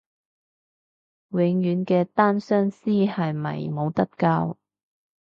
永遠嘅單相思係咪冇得救？